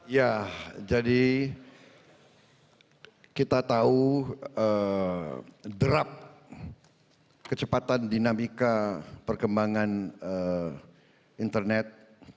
ya jadi kita tahu derap kecepatan dinamika perkembangan internet